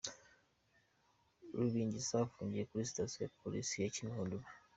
Rubingisa afungiye kuri Station ya Polisi ya Kimihurura.